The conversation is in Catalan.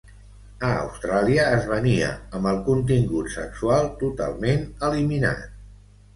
A Austràlia, es venia amb el contingut sexual totalment eliminat.